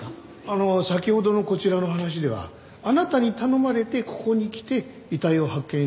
あの先ほどのこちらの話ではあなたに頼まれてここに来て遺体を発見したという事ですけど。